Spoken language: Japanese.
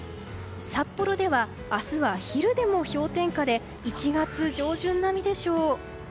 札幌では明日は昼でも氷点下で１月上旬並みでしょう。